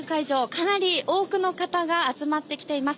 かなり多くの方が集まってきています。